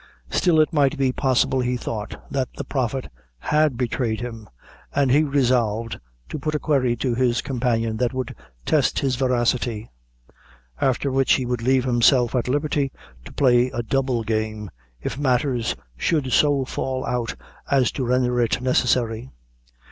Still it might be possible, he thought, that the prophet had betrayed him, and he resolved to put a query to his companion that would test his veracity; after which he would leave himself at liberty to play a double game, if matters should so fall out as to render it necessary.